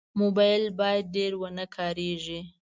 موبایل باید ډېر ونه کارېږي.